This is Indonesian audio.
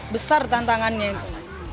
besar tantangannya itu